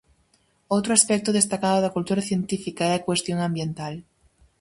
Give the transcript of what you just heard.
Outro aspecto destacado da cultura científica é a cuestión ambiental.